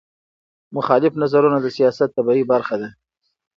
مخالف نظرونه د سیاست طبیعي برخه ده